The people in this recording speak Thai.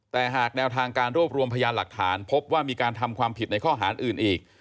แต่หากแนวทางการรวบรวมพยานหลักฐานพบว่ามีการทำความผิดในข้อหารอื่นอีก